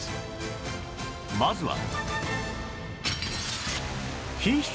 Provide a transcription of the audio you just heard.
まずは